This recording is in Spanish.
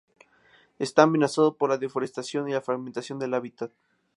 Está amenazado por la deforestación y la fragmentación del hábitat.